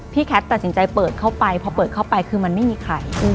แคทตัดสินใจเปิดเข้าไปพอเปิดเข้าไปคือมันไม่มีใคร